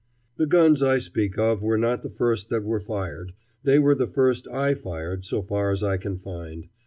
The guns I speak of were not the first that were fired they were the first I fired so far as I can find.